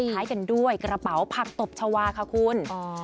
ท้ายกันด้วยกระเป๋าผักตบชาวาค่ะคุณ